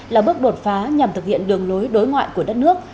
là bước đột phá nhằm thực hiện đường lối đối ngoại của đất nước